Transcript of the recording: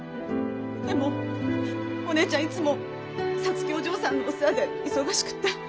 でもお姉ちゃんいつも皐月お嬢さんのお世話で忙しくて。